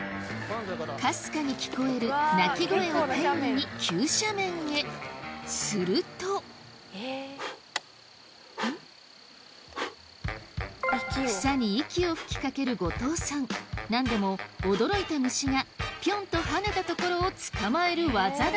かすかに聞こえる鳴き声を頼りに急斜面へすると草に息を吹き掛ける後藤さん何でも驚いた虫がピョンと跳ねたところを捕まえる技だ